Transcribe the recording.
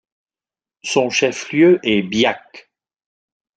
Son chef-lieu est Biak.